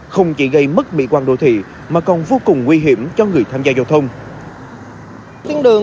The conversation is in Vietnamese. không chỉ gây mất mỹ quan đô thị mà còn vô cùng nguy hiểm cho người tham gia giao thông